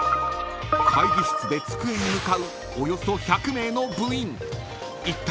［会議室で机に向かうおよそ１００名の部員］